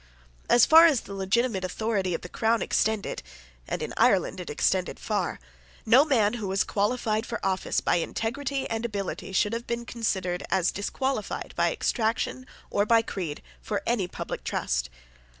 As far as the legitimate authority of the crown extended, and in Ireland it extended far, no man who was qualified for office by integrity and ability should have been considered as disqualified by extraction or by creed for any public trust.